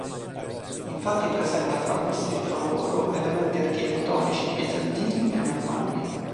Infatti presenta frammisti tra loro elementi architettonici bizantini e normanni.